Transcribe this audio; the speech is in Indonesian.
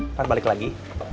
ntar balik lagi